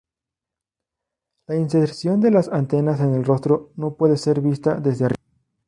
La inserción de las antenas en el rostro no puede ser vista desde arriba.